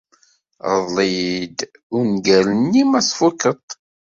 Rḍel-iyi-d ungal-nni ma tfukeḍ-t.